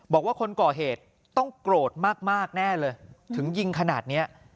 บอกว่าคนก่อเหตุต้องโกรธมากแน่เลยถึงยิงขนาดนี้